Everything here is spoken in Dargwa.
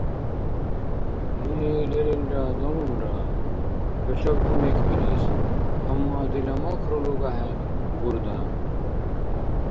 Нуни лерилра далулра. ХӀушаб кумекбирис. Амма дила макру луга хӀед, Гурда.